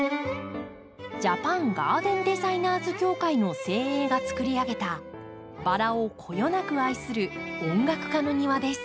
ジャパンガーデンデザイナーズ協会の精鋭がつくり上げたバラをこよなく愛する音楽家の庭です。